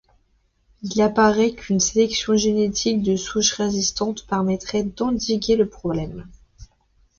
Il apparaît qu'une sélection génétique de souches résistantes permettrait d'endiguer le problème.